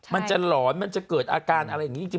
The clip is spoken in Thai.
มันจะหลอนมันจะเกิดอาการอะไรอย่างนี้จริง